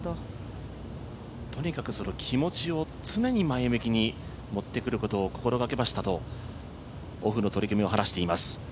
とにかく、気持ちを常に前向きに持ってくることを心がけましたとオフの取り組みを話しています。